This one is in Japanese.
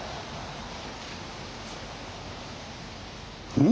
うん？